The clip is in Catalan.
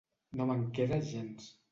No me'n queda gens.